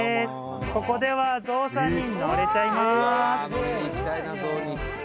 ここではゾウさんに乗れちゃいます